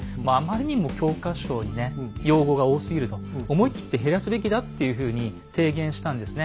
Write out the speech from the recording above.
思い切って減らすべきだっていうふうに提言したんですね。